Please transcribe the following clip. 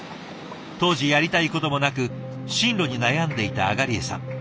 当時やりたいこともなく進路に悩んでいた東江さん。